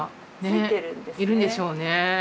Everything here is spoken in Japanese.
いるんでしょうね。